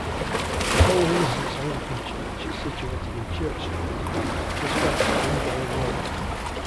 The Holy Innocents Anglican Church is situated in Church Street, just off Bringelly Road.